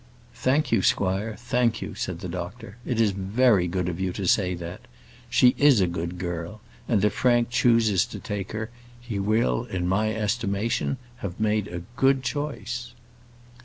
"Thank you, squire, thank you," said the doctor. "It is very good of you to say that. She is a good girl, and if Frank chooses to take her, he will, in my estimation, have made a good choice."